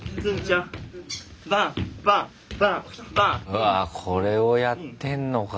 うわこれをやってんのか。